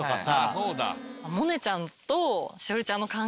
そうだ。